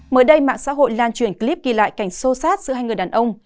mới đây mạng xã hội lan truyền clip ghi lại cảnh sâu sát giữa hai người đàn ông